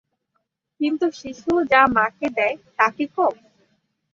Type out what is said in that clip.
কিন্তু শিশু যা মাকে দেয়, তাই কি কম?